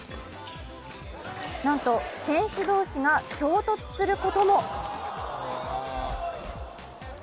なんと、選手同士が衝突することも。